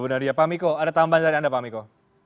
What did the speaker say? bu nadia pak miko ada tambahan dari anda pak miko